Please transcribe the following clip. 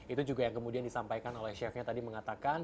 itu juga yang kemudian disampaikan oleh chefnya tadi mengatakan